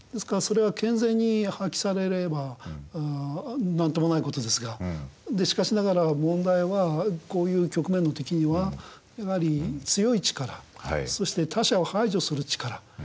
それは健全に発揮されれば何ともない事ですがしかしながら問題はこういう局面の時には強い力そして他者を排除する力